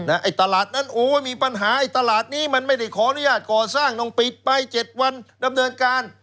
ไอ้ตลาดนั้นโอ้ยมีปัญหาไอ้ตลาดนี้มันไม่ได้ขออนุญาตก่อสร้างต้องปิดไป๗วันดำเนินการ